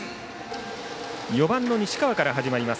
４番の西川から始まります。